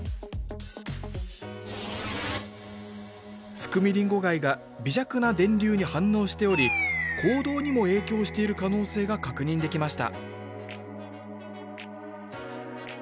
スクミリンゴガイが微弱な電流に反応しており行動にも影響している可能性が確認できました